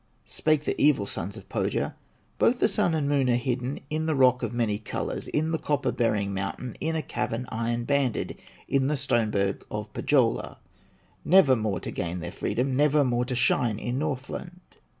Spake the evil sons of Pohya: "Both the Sun and Moon are hidden In the rock of many colors, In the copper bearing mountain, In a cavern iron banded, In the stone berg of Pohyola, Nevermore to gain their freedom, Nevermore to shine in Northland!"